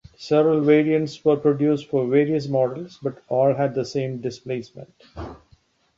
Several variants were produced for various models, but all had the same displacement.